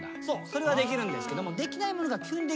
それはできるんですけど。